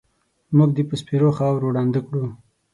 مونږ دې په سپېرو خاورو ړانده کړو